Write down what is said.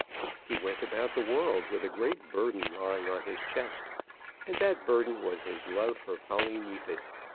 He went about the world with a great burden lying on his chest, and that burden was his love for Polly Neefit.